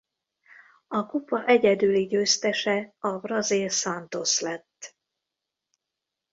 A kupa egyedüli győztese a brazil Santos lett.